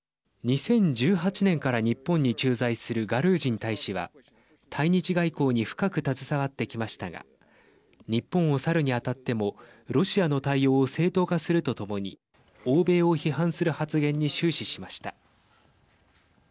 ２０１８年から日本に駐在するガルージン大使は対日外交に深く携わってきましたが日本を去るに当たってもロシアの対応を正当化するとともに欧米を批判する発言に終始しました。